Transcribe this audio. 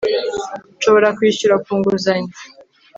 nshobora kwishyura ku nguzanyo